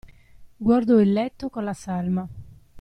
Guardò il letto con la salma.